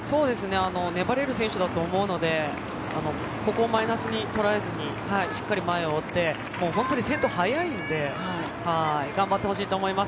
粘れる選手だと思うのでここをマイナスに捉えずにしっかり前を追ってもう本当に先頭、速いんで頑張ってほしいと思います。